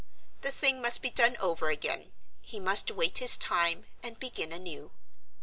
The thing must be done over again; he must wait his time and begin anew.